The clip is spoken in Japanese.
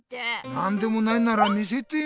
なんでもないなら見せてよ。